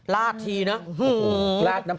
ราดอะทีนะ